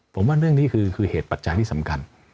ผมว่าเรื่องนี้คือเหตุปัจจัยที่สำคัญ